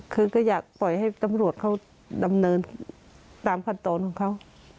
คือก็อยากปล่อยให้ตำรวจเขาดำเนินตามขั้นตอนของเขา